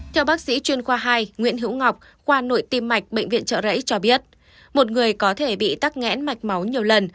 theo bác sĩ chuyên khoa hai nguyễn hữu ngọc khoa nội tim mạch bệnh viện trợ rẫy cho biết một người có thể bị tắc nghẽn mạch máu nhiều lần